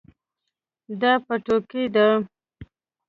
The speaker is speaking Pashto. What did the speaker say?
دا پټوکۍ ده